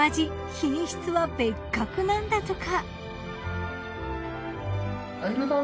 品質は別格なんだとか。